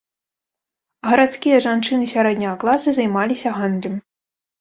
Гарадскія жанчыны сярэдняга класа займаліся гандлем.